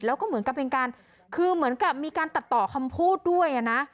แล้วก็เหมือนกับเป็นการคือเหมือนกับมีการตัดต่อคำพูดด้วยนะ